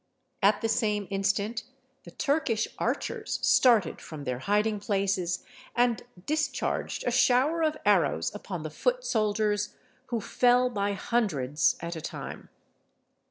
At the same instant the Turkish archers started from their hiding places, and discharged a shower of arrows upon the foot soldiers, who fell by hundreds at a time.